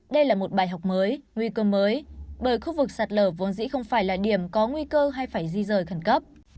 đây là một bài học mới nguy cơ mới bởi khu vực sạt lở vốn dĩ không phải là điểm có nguy cơ hay phải di rời khẩn cấp